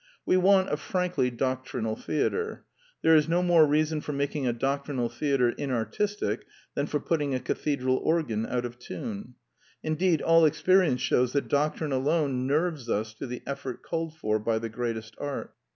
We want a frankly doctrinal theatre. There is no more reason for making a doctrinal theatre inartistic than for putting a cathedral organ out of tune: indeed all experience shews that doctrine alone nerves us to the effort called for by the greatest art.